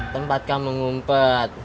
tempat kamu ngumpet